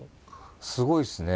すごいですね。